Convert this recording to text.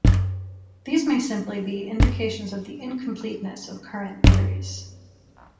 These may simply be indications of the incompleteness of current theories.